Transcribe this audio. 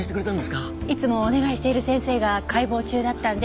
いつもお願いしている先生が解剖中だったんでそれで。